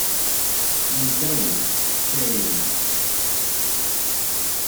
New Delhi: Sage.